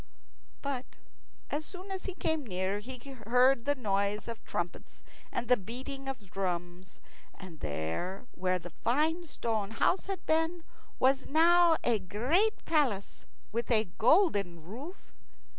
But as soon as he came near he heard the noise of trumpets and the beating of drums, and there where the fine stone house had been was now a great palace with a golden roof.